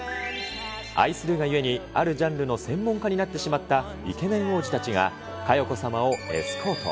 愛するがゆえに、あるジャンルの専門家になってしまったイケメン王子たちが、佳代子様をエスコート。